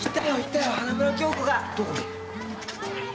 どこに！？